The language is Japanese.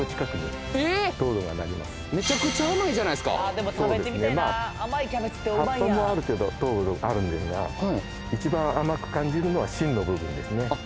めちゃくちゃ甘いじゃないですかそうですねまあ葉っぱもある程度糖度があるんですが一番甘く感じるのは芯の部分ですねあっ